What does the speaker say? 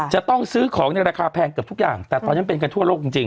จะต้องซื้อของในราคาแพงเกือบทุกอย่างแต่ตอนนั้นเป็นกันทั่วโลกจริง